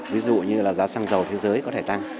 ví dụ như là giá xăng dầu thế giới có thể tăng